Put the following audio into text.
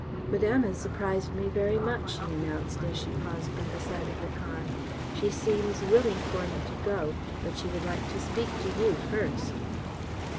"Madame has surprised me very much," she announced, as she paused by the side of the car. "She seems willing for me to go, but she would like to speak to you first."